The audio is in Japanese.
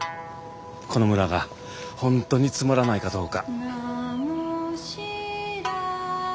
この村が本当につまらないかどうか。